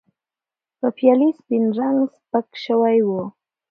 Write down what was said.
د پیالې سپین رنګ سپک شوی و.